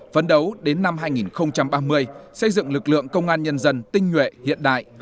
phấn đấu đến năm hai nghìn ba mươi xây dựng lực lượng công an nhân dân tinh nguyện hiện đại